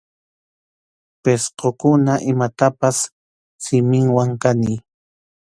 Pisqukuna imatapas siminwan kaniy.